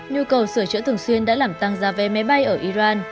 nhu cầu sửa chữa thường xuyên đã làm tăng giá vé máy bay ở iran